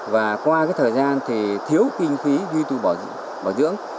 và qua thời gian thì thiếu kinh phí duy tù bảo dưỡng